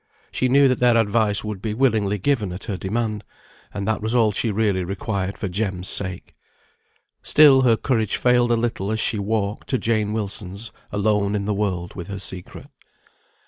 She knew that their advice would be willingly given at her demand, and that was all she really required for Jem's sake. Still her courage failed a little as she walked to Jane Wilson's, alone in the world with her secret.